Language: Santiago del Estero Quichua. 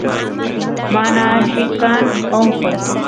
mana alli kan onqoy